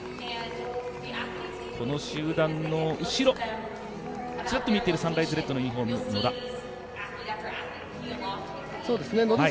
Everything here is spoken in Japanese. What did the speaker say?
この集団の後ろ、ちらっと見えているサンライズレッドのユニフォーム野田。